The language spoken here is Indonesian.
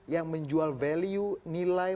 yang menjual value nilai